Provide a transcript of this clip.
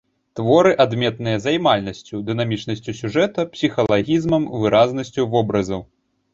Творы адметныя займальнасцю, дынамічнасцю сюжэта, псіхалагізмам, выразнасцю вобразаў.